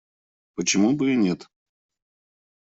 Почему бы и нет?